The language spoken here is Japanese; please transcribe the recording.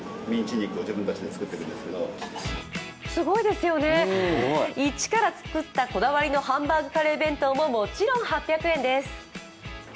すごいですよね一から作ったこだわりのハンバーグカレー弁当ももちろん８００円です。